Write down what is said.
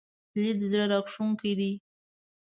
لید زړه راښکونکی دی.